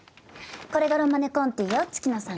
これがロマネ・コンティよ月野さんが言ってた。